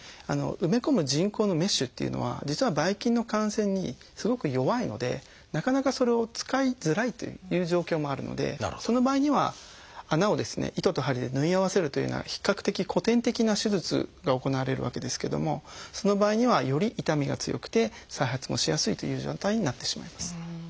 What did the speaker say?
埋め込む人工のメッシュっていうのは実はばい菌の感染にすごく弱いのでなかなかそれを使いづらいという状況もあるのでその場合には穴をですね糸と針で縫い合わせるというような比較的古典的な手術が行われるわけですけどもその場合にはより痛みが強くて再発もしやすいという状態になってしまいます。